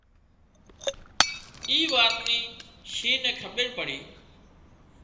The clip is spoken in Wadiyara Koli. اي وات نِي شينهن نين کٻير پڙي